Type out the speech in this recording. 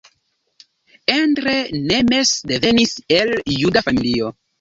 Endre Nemes devenis el juda familio.